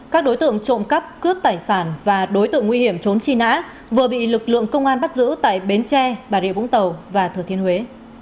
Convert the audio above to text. các đối tượng trộm cắp cướp tài sản và đối tượng nguy hiểm trốn truy nã vừa bị lực lượng công an bắt giữ tại bến tre bà rịa vũng tàu và thừa thiên huế